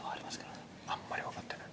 あんまり分かってない？